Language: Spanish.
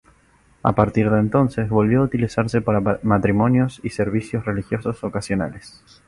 A partir de entonces volvió a utilizarse para matrimonios y servicios religiosos ocasionales.